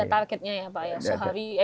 ada targetnya ya pak ya